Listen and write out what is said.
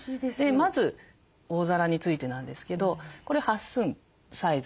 まず大皿についてなんですけどこれ８寸サイズ。